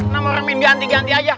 nama orang ini ganti ganti aja